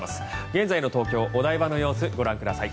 現在の東京・お台場の様子ご覧ください。